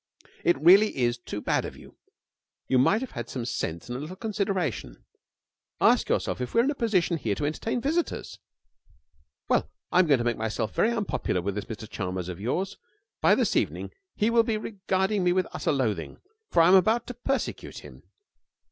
'It really is too bad of you! You might have had some sense and a little consideration. Ask yourself if we are in a position here to entertain visitors. Well, I'm going to make myself very unpopular with this Mr Chalmers of yours. By this evening he will be regarding me with utter loathing, for I am about to persecute him.'